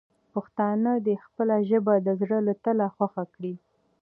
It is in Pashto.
پښتانه دې خپله ژبه د زړه له تله خوښه کړي.